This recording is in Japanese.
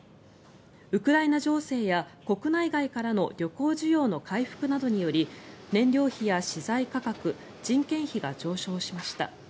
ウクライナ情勢や国内外からの旅行需要の回復などにより燃料費や資材価格人件費が上昇しました。